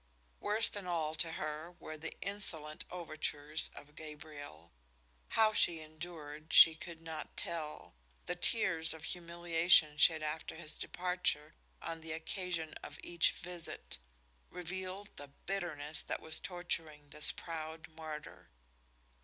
Worse than all to her were the insolent overtures of Gabriel. How she endured she could not tell. The tears of humiliation shed after his departure on the occasion of each visit revealed the bitterness that was torturing this proud martyr.